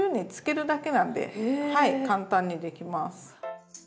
簡単にできます。